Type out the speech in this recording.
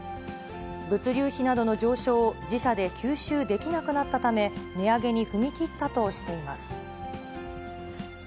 物流費などの上昇を自社で吸収できなくなったため、値上げに踏み切ったとしています。